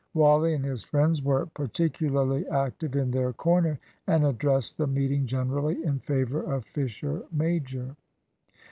Wally and his friends were particularly active in their corner, and addressed the meeting generally in favour of Fisher major.